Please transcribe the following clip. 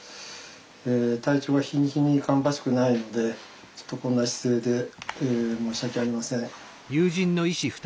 体調は日に日に芳しくないのでちょっとこんな姿勢で申し訳ありません。